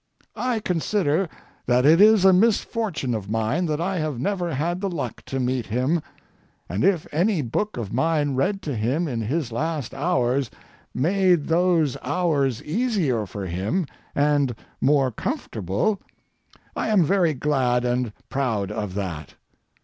I consider that it is a misfortune of mine that I have never had the luck to meet him, and if any book of mine read to him in his last hours made those hours easier for him and more comfortable, I am very glad and proud of that.